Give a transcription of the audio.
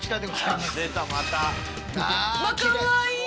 まあかわいい！